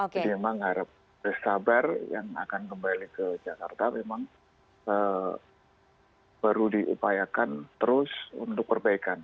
jadi memang harap bestabar yang akan kembali ke jakarta memang baru diupayakan terus untuk perbaikan